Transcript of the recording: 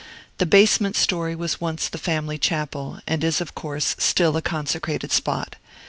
The basement story was once the family chapel, and is, of course, still a consecrated spot.